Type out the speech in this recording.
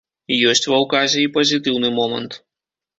Ёсць ва ўказе і пазітыўны момант.